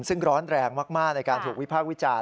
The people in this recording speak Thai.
ซึ่งร้อนแรงมากในการถูกวิพากษ์วิจารณ์